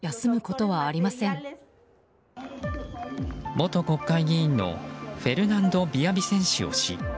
元国会議員のフェルナンド・ビヤビセンシオ氏。